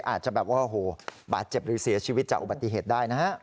อาจจะแบบว่าโอ้โหบาดเจ็บหรือเสียชีวิตจากอุบัติเหตุได้นะฮะ